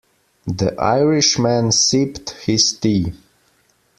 The Irish man sipped his tea.